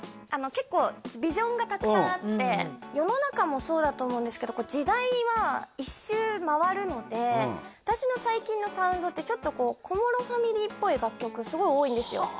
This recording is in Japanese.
結構ビジョンがたくさんあって世の中もそうだと思うんですけど時代は１周回るので私の最近のサウンドってちょっとこう小室ファミリーっぽい楽曲すごい多いんですよ